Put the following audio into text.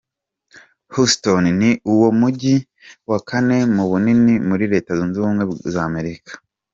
Houston ni wo mujyi wa kane mu bunini muri Leta Zunze Ubumwe z'Amerika.